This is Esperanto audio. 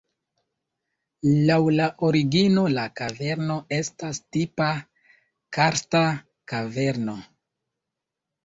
Laŭ la origino la kaverno estas tipa karsta kaverno.